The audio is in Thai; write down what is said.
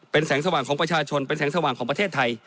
เป็นแสงสว่างของประชาชนเป็นแสงสว่างของประเทศไทย